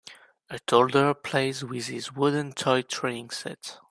A toddler plays with his wooden toy train set.